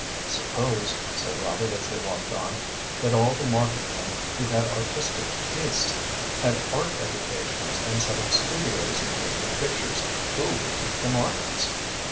"Suppose," said Robert, as they walked on, "that all the market men who had artistic tastes had art educations and set up studios and painted pictures, who would keep the markets?"